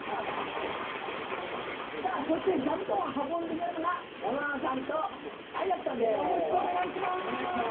さぁそして座布団を運んでくれるのが山田さんと愛楽さんです。